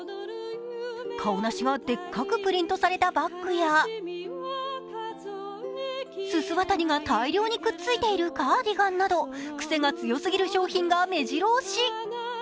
カオナシがでっかくプリントされたバッグやススワタリが大量にくっついているカーディガンなど、癖が強すぎる商品がめじろ押し。